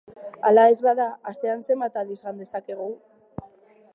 Hala ez bada, astean zenbat aldiz jan dezakegu?